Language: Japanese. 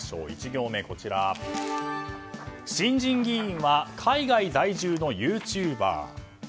１行目は新人議員は海外在住のユーチューバー。